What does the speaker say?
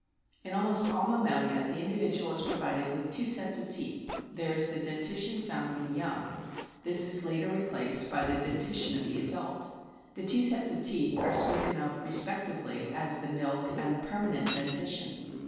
* In almost all Mammalia the individual is provided with two sets of teeth ; there is the dentition found in the young ; this is later replaced by the dentition of the adult. The two sets of teeth are spoken of respectively as the "milk" and the "permanent" dentition.